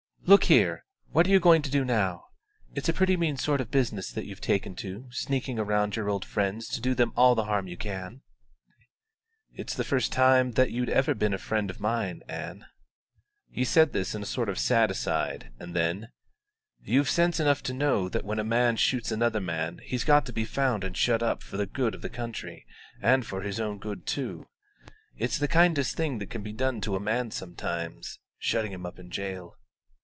"Look here! what are you going to do now? It's a pretty mean sort of business this you've taken to, sneaking round your old friends to do them all the harm you can." "It's the first time I knew that you'd ever been a friend of mine, Ann." He said this in a sort of sad aside, and then: "You've sense enough to know that when a man shoots another man he's got to be found and shut up for the good of the country and for his own good too. It's the kindest thing that can be done to a man sometimes, shutting him up in jail."